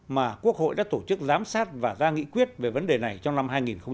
mà quốc hội đã tổ chức giám sát và ra nghị quyết về vấn đề này trong năm hai nghìn hai mươi